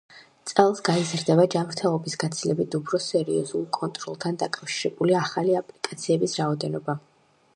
წელს გაიზრდება ჯანმრთელობის გაცილებით უფრო სერიოზულ კონტროლთან დაკავშირებული ახალი აპლიკაციების რაოდენობა.